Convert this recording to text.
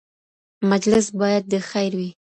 مجلس باید د خیر وي.